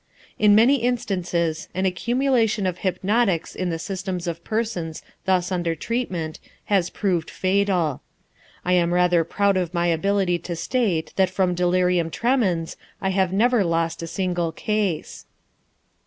In many instances an accumulation of hypnotics in the systems of persons thus under treatment has proved fatal. I am rather proud of my ability to state that from delirium tremens I have never lost a single case.